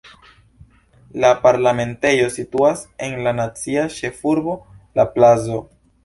La parlamentejo situas en la nacia ĉefurbo La-Pazo.